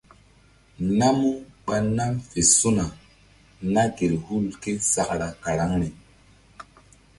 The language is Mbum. Namu ɓa nam fe su̧na na gel hul késakra karaŋri.